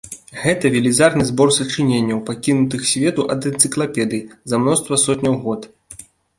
Гэта велізарны збор сачыненняў, пакінутых свету ад энцыклапедый, за мноства сотняў год.